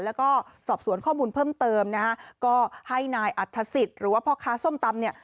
แล้วก็สอบสวนข้อมูลเพิ่มเติมนะฮะก็ให้นายอัฐศิษย์หรือว่าพ่อค้าส้มตำเนี่ย